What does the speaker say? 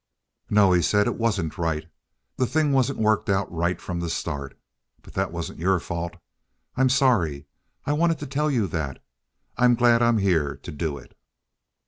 "No," he said. "It wasn't right. The thing wasn't worked out right from the start; but that wasn't your fault. I'm sorry. I wanted to tell you that. I'm glad I'm here to do it."